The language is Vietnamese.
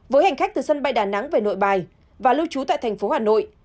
với hành khách từ sân bay đà nẵng về nội bài và lưu trú tại thành phố hà nội